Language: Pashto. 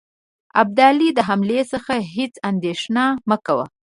ابدالي د حملې څخه هیڅ اندېښنه مه کوی.